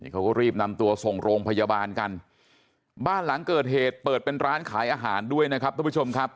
เขาก็รีบนำตัวส่งโรงพยาบาลกันบ้านหลังเกิดเหตุเปิดเป็นร้านขายอาหารด้วยนะครับทุกผู้ชมครับ